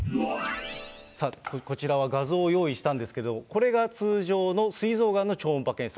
さあ、こちらは画像を用意したんですけど、これが通常のすい臓がんの超音波検査。